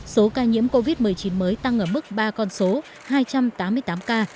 số ca nhiễm covid một mươi chín mới tăng ở mức ba con số hai trăm tám mươi tám ca